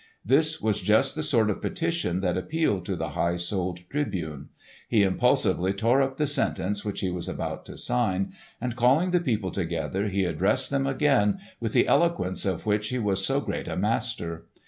This was just the sort of petition that appealed to the high souled Tribune. He impulsively tore up the sentence which he was about to sign, and calling the people together he addressed them again with that eloquence of which he was so great a master.